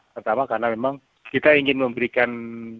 pertama karena memang kita ingin memberikan